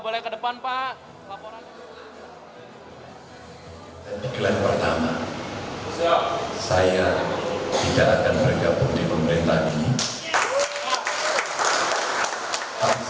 tidak akan bergabung di pemerintahan ini